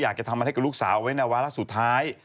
อยากจะทำอะไรให้กับลูกสาวไว้ในวาระสุดท้าย